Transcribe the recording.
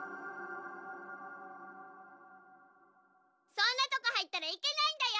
・そんなとこ入ったらいけないんだよ！